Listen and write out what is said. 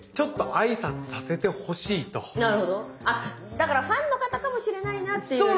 だからファンの方かもしれないなっていうね。